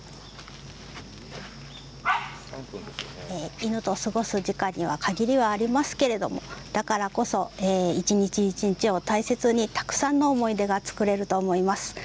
犬と過ごす時間には限りがありますけれどだからこそ一日一日を大切にたくさんの思い出が作れると思います。